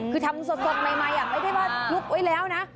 คือทำสดใหม่ไม่ได้ว่าลุกไว้แล้วนะ